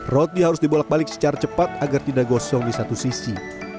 rotinya harus dibolak balik secara cepat agar tidak gosong di satu sisi